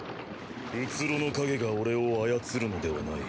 虚の影が俺を操るのではない。